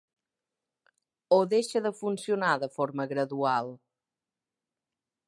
O deixa de funcionar de forma gradual?